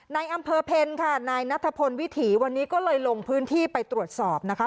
ในอำเภอเพลค่ะนายนัทพลวิถีวันนี้ก็เลยลงพื้นที่ไปตรวจสอบนะคะ